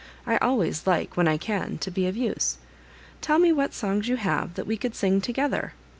I always like, when I can, to be of use. Tell me what songs you have that we could sing together.